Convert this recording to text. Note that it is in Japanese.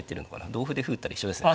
同歩で歩打ったら一緒ですね。